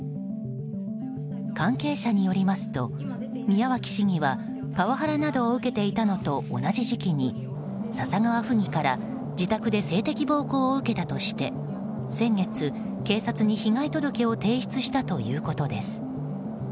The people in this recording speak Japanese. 関係者によりますと、宮脇市議はパワハラなどを受けていたのと同じ時期に笹川府議から自宅で性的暴行を受けたとして、先月、警察に被害届を提出したということです。